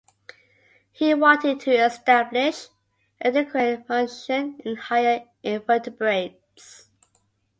He wanted to establish endocrine function in higher invertebrates.